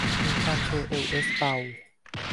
มีความโชว์เอวเอสเบา